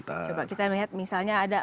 coba kita lihat misalnya ada